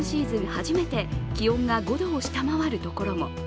初めて気温が５度を下回るところも。